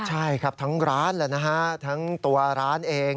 ใช่ครับทั้งร้านเลยนะฮะทั้งตัวร้านเอง